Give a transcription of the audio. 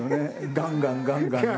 ガンガンガンガンね。